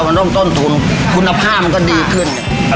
มันต้องต้นทุนคุณภาพมันก็ดีขึ้นอ่า